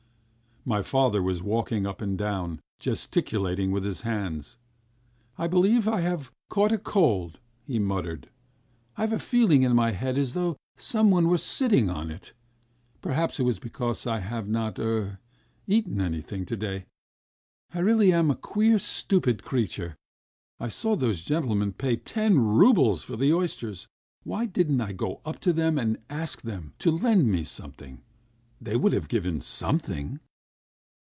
My father was walking up and down, gesticulating with his hands. "I believe I have caught cold," he was muttering. "I've a feeling in my head as though someone were sitting on it. ... Perhaps it is because I have not ... er ... eaten anything to day. ... I really am a queer, stupid creature. ... I saw those gentlemen pay ten roubles for the oysters. Why didn't I go up to them and ask them ... to lend me something? They would have given something."